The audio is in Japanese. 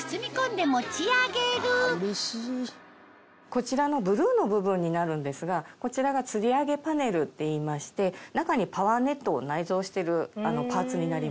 こちらのブルーの部分になるんですがこちらが吊り上げパネルっていいまして中にパワーネットを内蔵してるパーツになります。